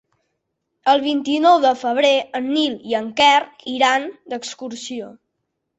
El vint-i-nou de febrer en Nil i en Quer iran d'excursió.